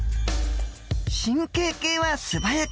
神経系は素早く。